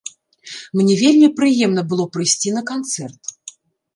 Мне вельмі прыемна было прыйсці на канцэрт.